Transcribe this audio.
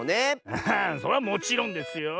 アハそれはもちろんですよ。